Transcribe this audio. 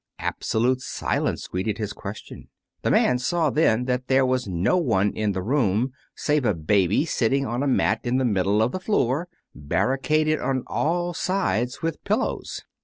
Absolute silence greeted his question. The man saw then that there was no one in the room save a baby sitting on a mat in the middle of the floor, barricaded on all sides with pillows.